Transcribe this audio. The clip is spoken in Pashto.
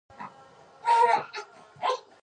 د خنجر زور ډېر شو او زه مجبوره شوم